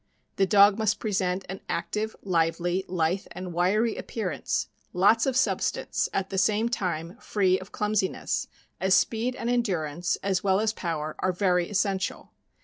The dog must present an active, lively, lithe, and wiry appearance; lots of substance, at the same time free of clumsiness, as speed and endurance, as well as power, are very essential.